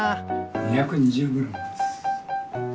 ２２０グラムです。